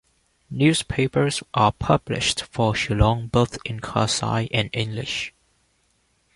Newspapers are published for Shillong both in Khasi and English.